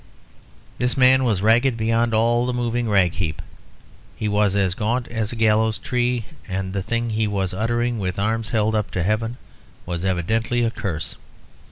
This man was ragged beyond all that moving rag heap; he was as gaunt as a gallows tree, and the thing he was uttering with arms held up to heaven was evidently a curse.